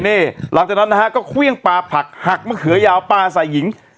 นี่หลังจากนั้นนะฮะก็เครื่องปลาผักหักมะเขือยาวปลาใส่หญิง